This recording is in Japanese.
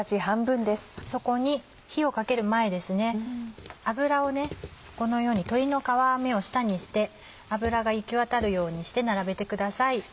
そこに火をかける前油をこのように鶏の皮目を下にして油が行き渡るようにして並べてください。